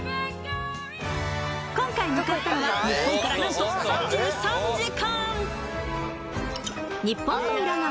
今回向かったのは日本から何と３３時間日本の裏側